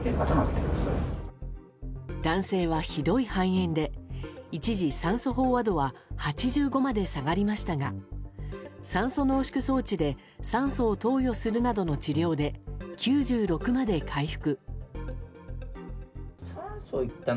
男性は、ひどい肺炎で一時、酸素飽和度は８５まで下がりましたが酸素濃縮装置で酸素を投与するなどの治療で９６まで回復。